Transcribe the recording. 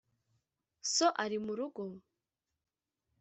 so ari murugo?